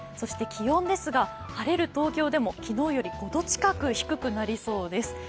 気温ですが、晴れる東京でも昨日より５度近く低くなりそうです。